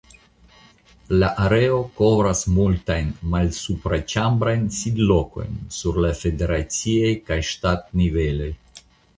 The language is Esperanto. La areo kovras multajn malsupraĉambrajn sidlokojn sur la federaciaj kaj ŝtatniveloj.